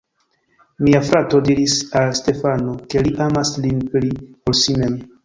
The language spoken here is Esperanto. Mia frato diris al Stefano, ke li amas lin pli, ol sin mem.